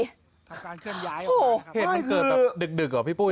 เหตุมันเกิดดึกหรอพี่ปุ้ย